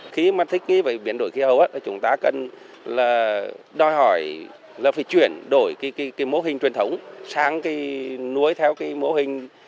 khi mà thích cái biển đổi khí hậu á chúng ta cần là đòi hỏi là phải chuyển đổi cái mô hình truyền thống sang cái nuôi theo cái mô hình